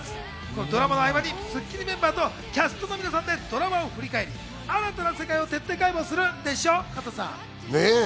ドラマの合間に『スッキリ』メンバーとキャストの皆さんでドラマを振り返り、新たな世界を徹底解剖するんでしょ？